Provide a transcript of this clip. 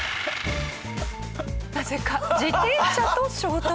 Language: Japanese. なぜか自転車と衝突。